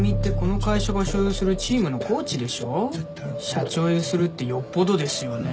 社長ゆするってよっぽどですよね。